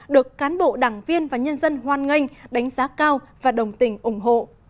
được cán bộ đảng viên và nhân dân hoan nghênh đánh giá cao và đồng tình ủng hộ